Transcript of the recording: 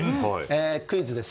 クイズです。